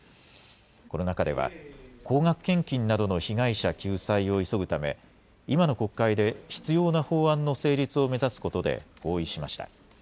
この中では、高額献金などの被害者救済を急ぐため、今の国会で、必要な法案の成立を目指すことで合意しました。